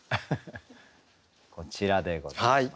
こちらでございます。